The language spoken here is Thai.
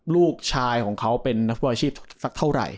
ลูกชายของเขาเป็นนักฟุตบอลอาชีพสักเท่าไหร่